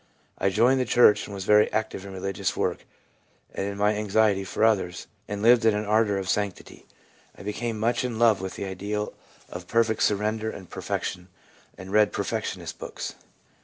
I joined the church, and was very active in religious work and in my anxiety for others, and lived in an odour of sanctity. I became much in love with the ideal of perfect 178 THE PSYCHOLOGY OF RELIGION surrender and perfection, and read perfectionist books.